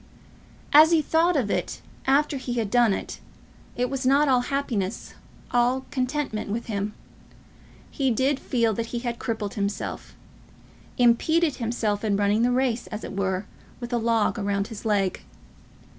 As he thought of it after he had done it, it was not all happiness, all contentment, with him. He did feel that he had crippled himself, impeded himself in running the race, as it were, with a log round his leg.